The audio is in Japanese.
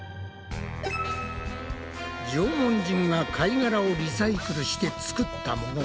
縄文人が貝がらをリサイクルしてつくったもの。